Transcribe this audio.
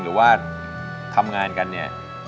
หรือว่าทำงานกันเนี่ย